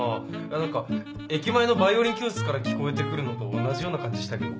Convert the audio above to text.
何か駅前のバイオリン教室から聴こえて来るのと同じような感じしたけど。